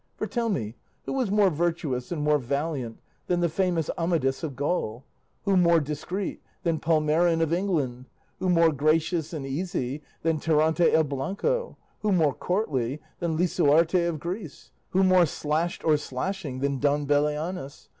For tell me, who was more virtuous and more valiant than the famous Amadis of Gaul? Who more discreet than Palmerin of England? Who more gracious and easy than Tirante el Blanco? Who more courtly than Lisuarte of Greece? Who more slashed or slashing than Don Belianis?